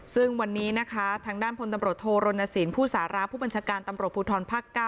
ซึ่งวันนี้นะคะทางด้านพลตำรวจโทรณสินผู้สาระผู้บัญชาการตำรวจภูทรภาค๙